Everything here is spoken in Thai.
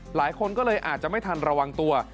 หลายคนก็เลยอาจจะไม่ทันระวังตัว